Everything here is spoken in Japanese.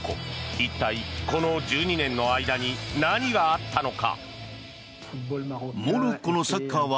一体、この１２年の間に何があったのか。